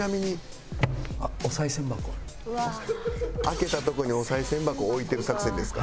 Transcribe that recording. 開けたとこにお賽銭箱を置いてる作戦ですか？